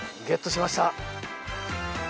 ゲットしました！